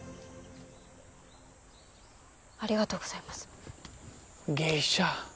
「ありがとうございます」「ゲイシャ」